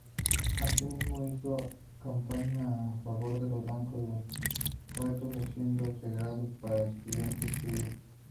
Asimismo, hizo campaña a favor de los bancos gueto, asientos segregados para estudiantes judíos.